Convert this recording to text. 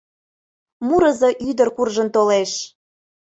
Мурызо-ӱдыр куржын толеш.